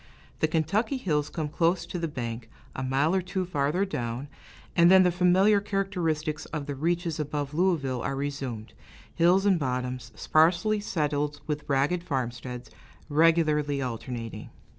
The Kentucky hills come close to the bank, a mile or two farther down, and then the familiar characteristics of the reaches above Louisville are resumed hills and bottoms, sparsely settled with ragged farmsteads, regularly alternating.